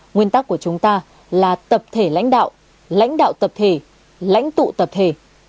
nguyên tắc của chúng ta là tập thể lãnh đạo lãnh đạo tập thể lãnh tụ tập thể